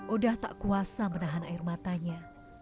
oda tak kuasa menahan air matanya